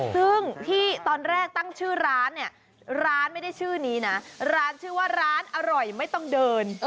ซึ่งที่ตอนแรกตั้งชื่อร้านเนี่ยร้านไม่ได้ชื่อนี้นะร้านชื่อว่าร้านอร่อยไม่ต้องเดิน